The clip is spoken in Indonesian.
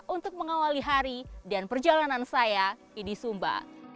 untuk mengawali hari dan perjalanan saya di sumba